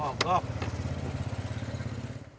gak ada apa apa